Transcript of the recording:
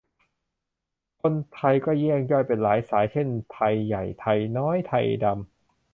คนไทย ก็แยกย่อยเป็นหลายสาย เช่นไทยใหญ่ ไทยน้อย ไทยดำ